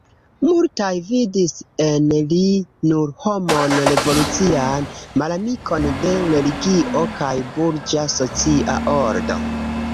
Multaj vidis en li nur homon revolucian, malamikon de religio kaj burĝa socia ordo.